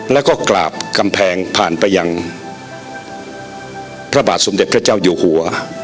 แล้วก็กราบกำแพงผ่านไปยังพระบาทสมเด็จพระเจ้าอยู่หัว